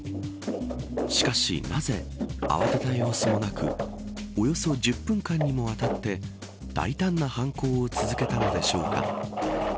しかしなぜ慌てた様子もなくおよそ１０分間にもわたって大胆な犯行を続けたのでしょうか